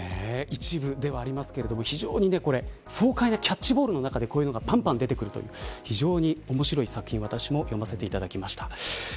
一部ではありますが非常にこれ爽快なキャッチボールの中でこういうのがぱんぱんでてくるという非常に面白い作品私も読ませていただきました。